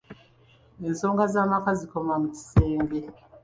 Ensonga z’amaka zikoma mu kisenge.